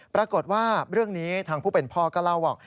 ปรากฏว่าเรื่องนี้ทางผู้เป็นพ่อก็เล่าบอก